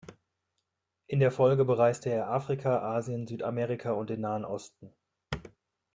In der Folge bereiste er Afrika, Asien, Südamerika und den Nahen Osten.